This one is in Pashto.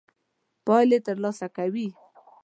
پايلې تر لاسه کوي.